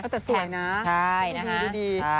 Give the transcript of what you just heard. แต่สวยนะดูดี